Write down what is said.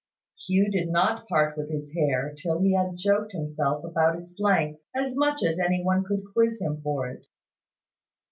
Hugh did not part with his hair till he had joked himself about its length as much as any one could quiz him for it.